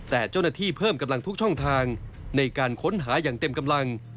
แต่เจ้าหน้าที่เพิ่มกำลังทุกช่องทางในการค้นหาอย่างเต็มกำลัง